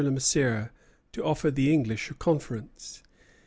Le Mercier to offer the English a conference."